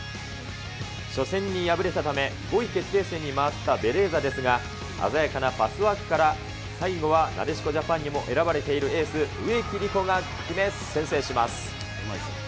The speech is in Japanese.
初戦に敗れたため、５位決定戦に回ったベレーザですが、鮮やかなパスワークから最後はなでしこジャパンにも選ばれているエース、植木理子が決め、先制します。